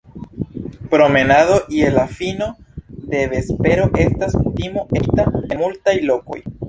Promenado je la fino de vespero estas kutimo etendita en multaj lokoj.